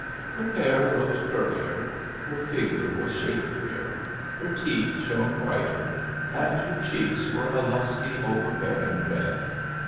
Her hair looked curlier, her figure was shapelier, her teeth shone whiter, and her cheeks were a lusty, overbearing red.